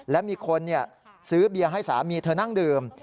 และมีคนซื้อเบียร์ให้สามีเธอนั่งดื่ม